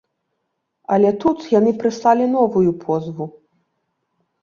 Але тут яны прыслалі новую позву.